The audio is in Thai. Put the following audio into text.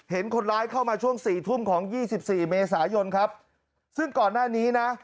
เห็นคนร้ายเข้ามาช่วงสี่ทุ่มของยี่สิบสี่เมษายนครับซึ่งก่อนหน้านี้นะ